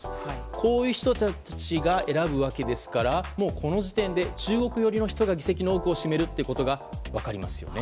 こういう人たちが選ぶわけですからこの時点で中国寄りの人が議席の多くを占めることが分かります。